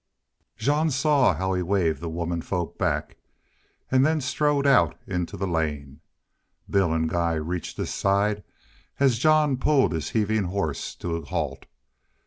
Jean saw how he' waved the womenfolk back, and then strode out into the lane. Bill and Guy reached his side as Jean pulled his heaving horse to a halt.